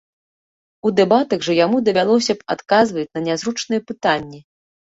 У дэбатах жа яму давялося б адказваць на нязручныя пытанні.